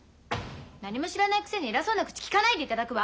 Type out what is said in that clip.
何も知らないくせに偉そうな口きかないでいただくわ！